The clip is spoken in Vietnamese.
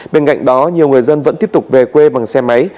bên cạnh đó nhiều người dân vẫn tiếp tục về quê bằng xe máy